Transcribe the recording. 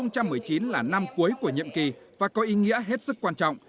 năm hai nghìn một mươi chín là năm cuối của nhiệm kỳ và có ý nghĩa hết sức quan trọng